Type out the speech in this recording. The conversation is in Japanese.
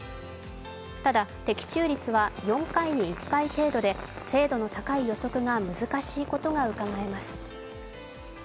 ただ、的中率は４回に１回程度で精度の高い予測が難しいことがうかがえます。